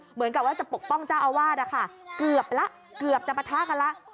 เหมือนกับว่าจะปกป้องเจ้าอาวาสเกือบจะปะทะกันแล้ว